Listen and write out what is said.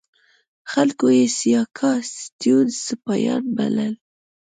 خلکو یې سیاکا سټیونز سپیان بلل.